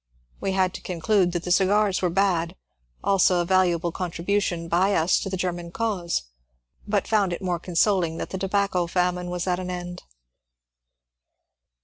We had to con clude that the cigars were bad, also a valuable contribution by us to the German cause ; but found it more consoling that the tobacco famine was at an end.